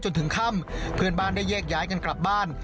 จนถึงค่ำเพื่อนบ้านได้แยกย้ายกันกลับบ้าน